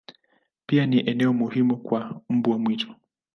Pia ni eneo muhimu kwa mbwa mwitu.